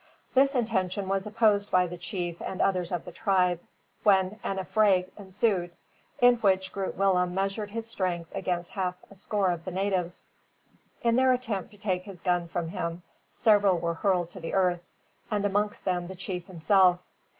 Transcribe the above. This intention was opposed by the chief and others of the tribe, when an affray ensued, in which Groot Willem measured his strength against half a score of the natives. In their attempt to take his gun from him, several were hurled to the earth, and amongst them the chief himself.